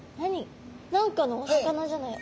何何かのお魚じゃない？